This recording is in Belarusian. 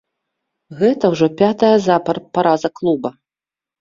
Гэта ўжо пятая запар параза клуба.